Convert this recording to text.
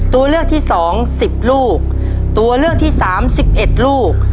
ตัวเลือกที่สองสิบลูกตัวเลือกที่สามสิบเอ็ดลูก